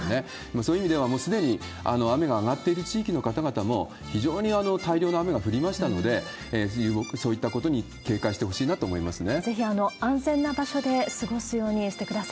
そういう意味では、もうすでに雨が上がっている地域の方々も、非常に大量の雨が降りましたので、ぜひそういったことに警戒してほしいなと思いますね。